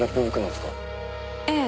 ええ。